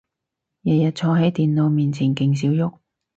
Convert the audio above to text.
日日坐係電腦前面勁少郁